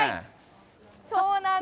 そうなんです。